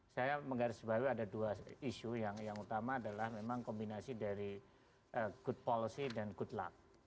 saya menggarisbawahi ada dua isu yang utama adalah memang kombinasi dari good policy dan good luck